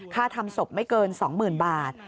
ค่าทำศพไม่เกิน๒๐๐๐บาท